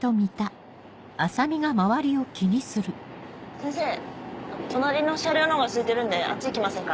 先生隣の車両のほうがすいてるんであっち行きませんか？